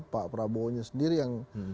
pak prabowo nya sendiri yang